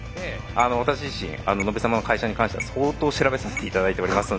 私自身野部さまの会社に関しては相当調べさせて頂いておりますので。